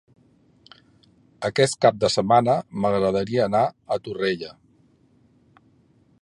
Aquest cap de setmana m'agradaria anar a Torrella.